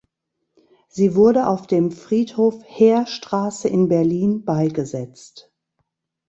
Sie wurde auf dem Friedhof Heerstraße in Berlin beigesetzt.